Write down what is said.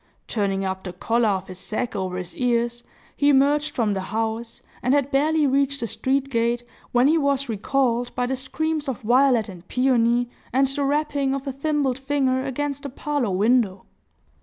Turning up the collar of his sack over his ears, he emerged from the house, and had barely reached the street gate, when he was recalled by the screams of Violet and Peony, and the rapping of a thimbled finger against the parlor window.